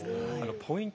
ポイント